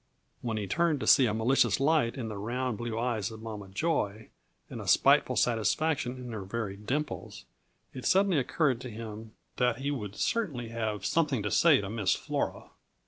When he turned to see a malicious light in the round, blue eyes of Mama Joy and a spiteful satisfaction in her very dimples, it suddenly occurred to him that he would certainly have something to say to Miss Flora.